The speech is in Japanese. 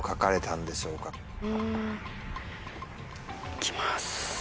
いきます